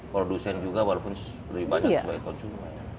produsen juga walaupun lebih banyak sebagai konsumen